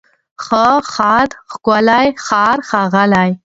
ښه، ښاد، ښکلی، ښار، ښاغلی